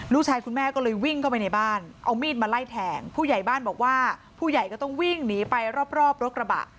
คุณแม่ก็เลยวิ่งเข้าไปในบ้านเอามีดมาไล่แทงผู้ใหญ่บ้านบอกว่าผู้ใหญ่ก็ต้องวิ่งหนีไปรอบรถกระบะ